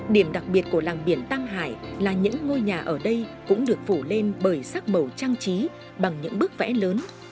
điểm đặc biệt của làng biển tam hải là những ngôi nhà ở đây cũng được phủ lên bởi sắc màu trang trí bằng những bức vẽ lớn